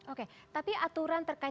oke tapi aturan terkait